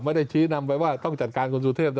ไม่ได้ชี้นำไปว่าต้องจัดการคุณสุเทพ